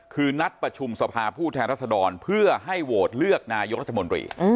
คือนัดประชุมสภาผู้แทนรัศดรเพื่อให้โหวตเลือกนายกรัฐมนตรี